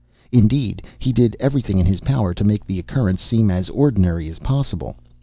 Indeed, he did everything in his power to make the occurrence seem as ordinary as possible.